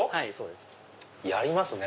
やりますね！